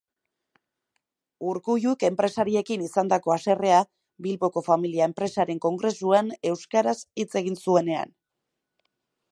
Urkulluk enpresariekin izandako haserrea Bilboko familia enpresaren kongresuan euskaraz hitz egin zuenean